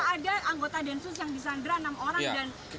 ada anggota densus yang di sandra enam orang